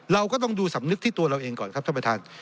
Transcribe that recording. เราก็ต้องดูสำนึกที่ตัวเราเองก่อนครับท่านประธาน